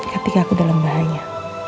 ketika aku dalam bahaya